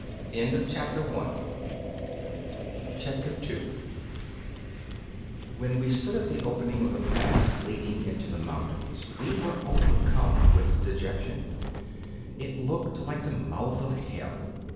2 When we stood at the opening of the pass leading into the mountains we were overcome with dejection; it looked like the mouth of Hell.